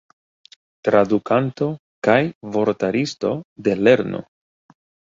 Tradukanto kaj vortaristo de Lernu!.